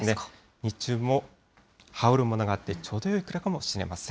日中も羽織るものがあってちょうどよいくらいかもしれません。